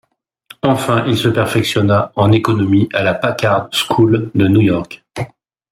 Enfin, il se perfectionna en économie à la Packard School de New York.